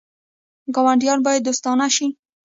ګاونډیان باید دوستان شي